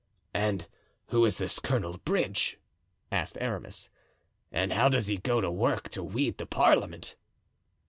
"And who is this Colonel Bridge?" asked Aramis, "and how does he go to work to weed the parliament?"